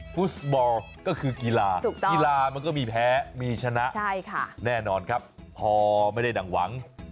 ฟุตบอลก็คือกีฬากีฬามันก็มีแพ้มีชนะแน่นอนครับพอไม่ได้ดั่งหวัง